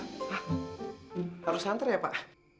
pak harus antar ya pak